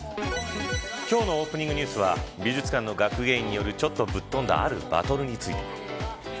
今日のオープニングニュースは美術館の学芸員によるちょっとぶっ飛んだあるバトルについて。